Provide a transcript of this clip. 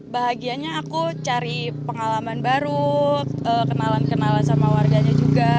bahagianya aku cari pengalaman baru kenalan kenalan sama warganya juga